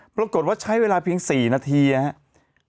ปรากฏว่าใช้เวลาเพียง๔นาทีครับ